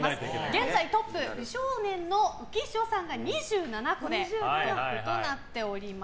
現在トップは美少年の浮所さんが２７個でトップとなっております。